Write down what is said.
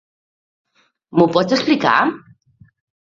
M'ho pots explicar?